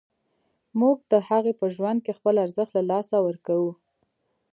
موږ د هغه په ژوند کې خپل ارزښت له لاسه ورکوو.